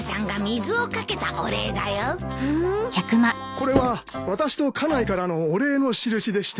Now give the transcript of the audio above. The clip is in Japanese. これは私と家内からのお礼の印でして。